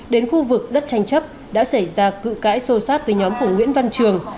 đến khu vực đất tranh chấp đã xảy ra cự cãi sâu sát với nhóm của nguyễn văn trường